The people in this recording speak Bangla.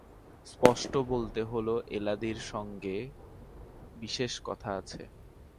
স্পষ্ট বলতে হল, এলাদির সঙ্গে বিশেষ কথা আছে।